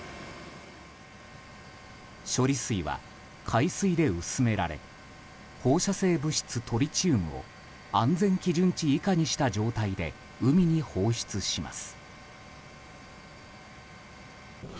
処理水は海水で薄められ放射性物質トリチウムを安全基準値以下にした状態で海に放出します。